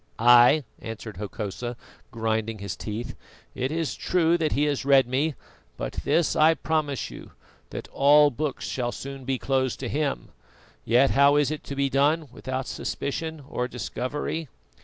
"Ay!" answered Hokosa, grinding his teeth, "it is true that he has read me; but this I promise you, that all books shall soon be closed to him. Yet how is it to be done without suspicion or discovery?